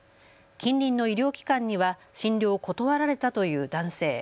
近隣の医療機関には診療を断られたという男性。